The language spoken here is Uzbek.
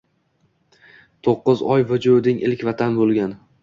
Tuqqiz oi vujuding ilk Vatan bulgan